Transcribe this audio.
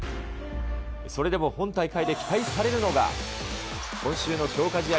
それでも本大会で期待されるのが、今週の強化試合